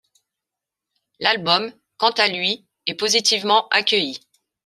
L'album, quant à lui, est positivement accueilli.